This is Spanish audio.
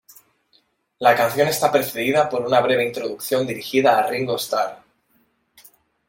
La canción está precedida por una breve introducción dirigida a Ringo Starr.